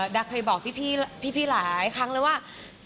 ดักไปบอกพี่หลายครั้งแล้วว่า